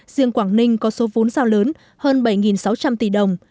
riêng quảng ninh có số vốn giao lớn hơn bảy sáu trăm linh tỷ đồng